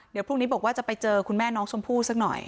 เดี๋ยวพรุ่งนี้บอกว่าจะไปเจอคุณแม่น้องชมพู่สักหน่อย